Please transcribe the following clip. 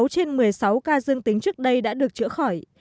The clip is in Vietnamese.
một mươi sáu trên một mươi sáu ca dương tính trước đây đã được chữa khỏi